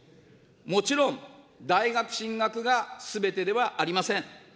もちろん、大学進学がすべてではありません。